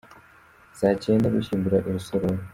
– Saa cyenda: Gushyingura i Rusororo.